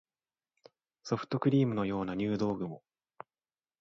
ソフトクリームのような入道雲